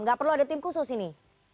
nggak perlu ada tim khusus ini